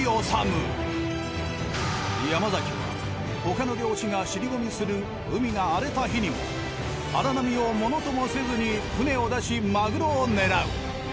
山崎は他の漁師が尻込みする海が荒れた日にも荒波をものともせずに船を出しマグロを狙う。